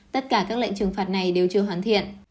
tất cả các lệnh trừng phạt này đều chưa hoàn thiện